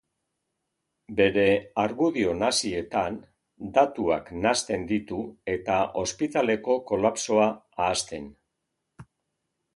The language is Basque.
Bere argudio nahasietan, datuak nahasten ditu, eta ospitaleko kolapsoa ahazten du.